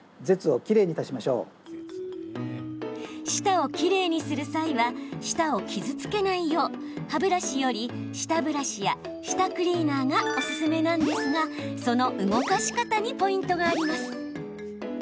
舌をきれいにする際は舌を傷つけないよう歯ブラシより舌ブラシや舌クリーナーがおすすめなんですが、その動かし方にポイントがあります。